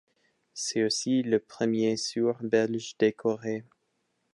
C'est aussi le premier sourd belge décoré.